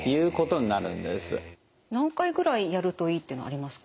何回ぐらいやるといいっていうのありますか？